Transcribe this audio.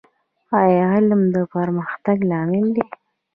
ایا علم د پرمختګ لامل دی؟